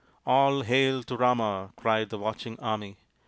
" All hail to Rama !" cried the watching army.